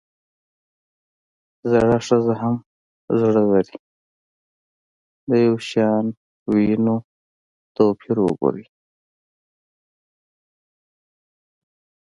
زړه ښځه هم زړۀ لري ؛ د يوشان ويونو توپير وګورئ!